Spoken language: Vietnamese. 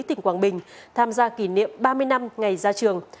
tỉnh quảng bình tham gia kỷ niệm ba mươi năm ngày ra trường